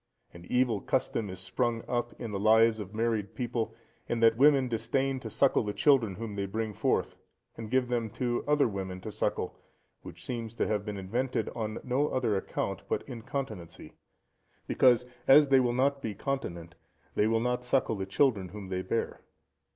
An evil custom is sprung up in the lives of married people, in that women disdain to suckle the children whom they bring forth, and give them to other women to suckle; which seems to have been invented on no other account but incontinency; because, as they will not be continent, they will not suckle the children whom they bear.